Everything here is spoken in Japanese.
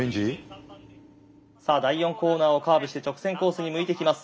さあ第４コーナーをカーブして直線コースに向いていきます。